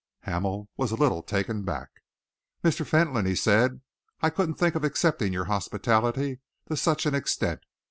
Hamel was a little taken aback. "Mr. Fentolin," he said, "I couldn't think of accepting your hospitality to such an extent.